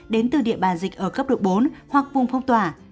đến từ địa bàn dịch ở cấp độ bốn hoặc vùng phong tỏa